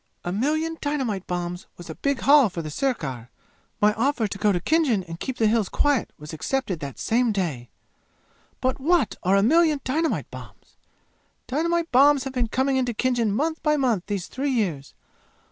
A million dynamite bombs was a big haul for the sirkar! My offer to go to Khinjan and keep the 'Hills' quiet was accepted that same day! "But what are a million dynamite bombs! Dynamite bombs have been coming into Khinjan month by month these three years!